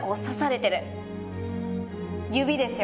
指ですよ